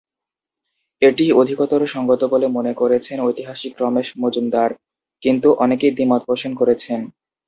এটিই অধিকতর সঙ্গত বলে মনে করেছেন ঐতিহাসিক রমেশ মজুমদার, কিন্তু অনেকেই দ্বিমত পোষণ করেছেন।